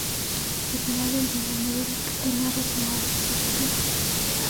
Al final del día, Meredith le narra a su madre, la Dra.